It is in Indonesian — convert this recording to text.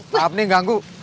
saat ini ganggu